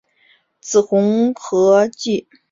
子何弘敬续领魏博军。